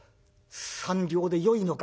「３両でよいのか。